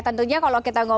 tentunya kalau kita ngomong